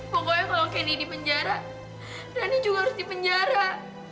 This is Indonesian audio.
pokoknya kalau candy dipenjara rani juga harus dipenjara